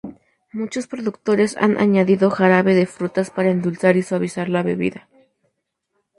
Muchos productores han añadido jarabe de frutas para endulzar y suavizar la bebida.